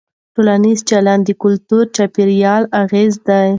ټولنیز چلند د کلتوري چاپېریال اغېز دی.